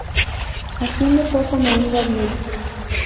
Haciendo poco me iba bien.